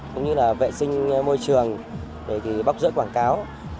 cũng như là vệ sinh môi trường để bóc rỡ quảng cáo